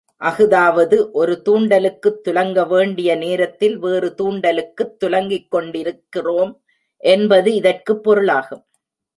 அஃதாவது, ஒரு துண்டலுக்குத் துலங்கவேண்டிய நேரத்தில் வேறு துாண்டலுக்குத் துலங்கிக்கொண்டிருக்கிறோம் என்பது இதற்குப் பொருளாகும்.